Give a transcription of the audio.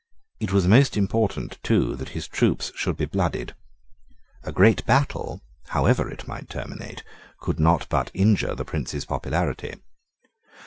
It was most important, too, that his troops should be blooded. A great battle, however it might terminate, could not but injure the Prince's popularity.